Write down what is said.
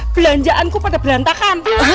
belanjaan ku pada berantakan